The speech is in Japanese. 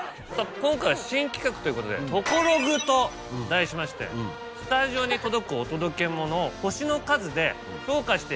今回は新企画ということでトコログと題しましてスタジオに届くお届けモノを星の数で評価していきたいと。